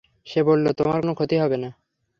সে বলল, তোমার কোন ক্ষতি হবে না।